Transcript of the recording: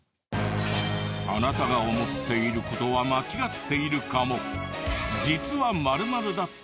あなたが思っている事は間違っているかも。